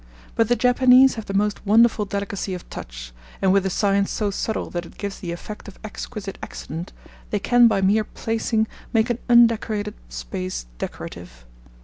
But the Japanese have the most wonderful delicacy of touch, and with a science so subtle that it gives the effect of exquisite accident, they can by mere placing make an undecorated space decorative.